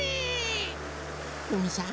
うみさん